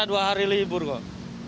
dua hari libur kok